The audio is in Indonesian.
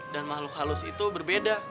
makhluk halus itu berbeda